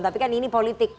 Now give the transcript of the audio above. tapi kan ini politik